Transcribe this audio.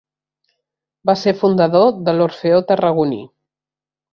Va ser fundador de l'Orfeó Tarragoní.